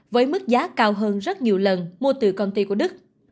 với mức giá cao hơn rất nhiều lần mua từ công ty của đức